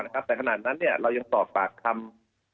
ในปรับปรับคำ